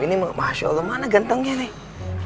ini masya allah mana gentongnya nih